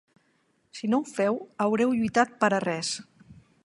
Si no ho feu, haureu lluitat per a res.